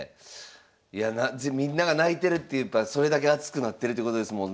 いやみんなが泣いてるってやっぱそれだけ熱くなってるってことですもんね。